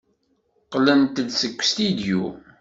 Qqlent-d seg ustidyu.